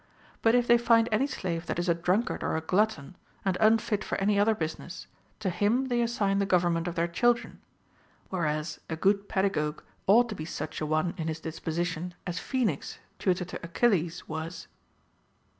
But if they find any slave that is a drunkard or a glutton, and unfit for any other business, to him they assign the government of their chil dren ; whereas, a good pedagogue ought to be such a one in his dis])osition as Phoenix, tutor to Achilles, was.